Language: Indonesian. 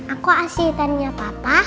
aku asetannya papa